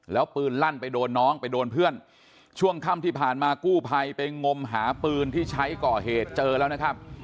แล้วปืนลั่นไปโดนน้องไปโดนเพื่อนช่วงค่ำที่ผ่านมากู้ภัยไปงมหาปืนที่ใช้ก่อเหตุเจอแล้วนะครับ